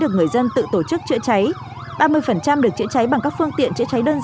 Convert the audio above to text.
có những cái hiện tượng